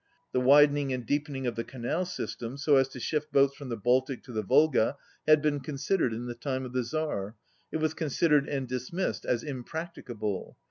The widening and deepening of the canal system so as to shift boats from the Baltic to the Volga had been considered in the time of the Tzar. It was considered and dismissed as impracticable.